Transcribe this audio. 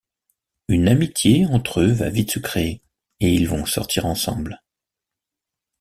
Une amitié entre eux va vite se créer et ils vont sortir ensemble.